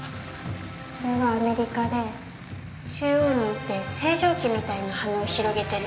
これはアメリカで中央にいて星条旗みたいな羽を広げてる。